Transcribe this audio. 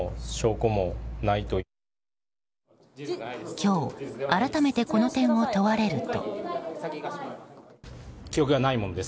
今日改めてこの点を問われると。